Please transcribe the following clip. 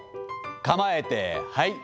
構えて、はい。